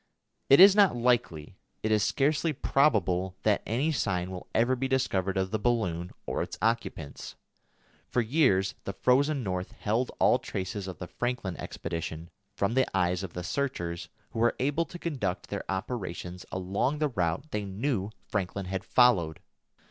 It is not likely; it is scarcely probable that any sign will ever be discovered of the balloon or its occupants. For years the frozen North held all traces of the Franklin expedition from the eyes of the searchers who were able to conduct their operations along the route they knew Franklin had followed.